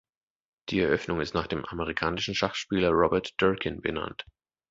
Die Eröffnung ist nach dem amerikanischen Schachspieler Robert Durkin benannt.